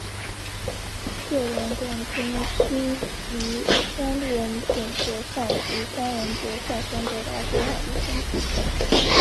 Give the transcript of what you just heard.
个人冠军需于三轮准决赛及三轮决赛中得到最好的成绩。